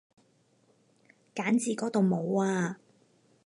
揀字嗰度冇啊